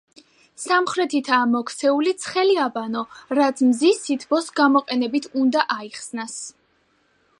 სამხრეთითაა მოქცეული ცხელი აბანო, რაც მზის სითბოს გამოყენებით უნდა აიხსნას.